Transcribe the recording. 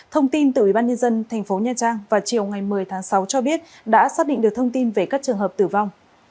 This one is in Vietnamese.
thông tin từ ủy ban nhân dân thành phố nha trang vào chiều ngày một mươi tháng sáu cho biết đã xác định được thông tin về các trường hợp tử vong